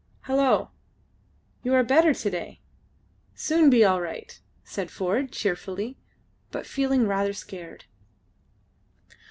"Hallo! You are better to day. Soon be all right," said Ford, cheerfully, but feeling rather scared.